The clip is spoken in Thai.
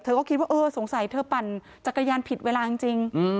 ก็คิดว่าเออสงสัยเธอปั่นจักรยานผิดเวลาจริง